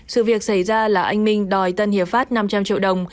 sự việc xảy ra là anh minh đòi tân hiệp pháp năm trăm linh triệu đồng